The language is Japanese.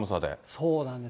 そうなんですね。